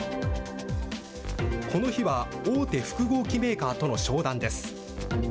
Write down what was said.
この日は、大手複合機メーカーとの商談です。